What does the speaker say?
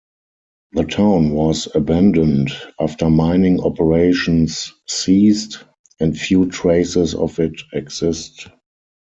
The town was abandoned after mining operations ceased, and few traces of it exist.